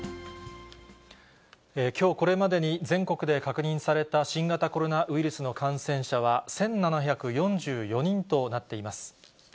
きょうこれまでに全国で確認された新型コロナウイルスの感染者は１７４４人となっています。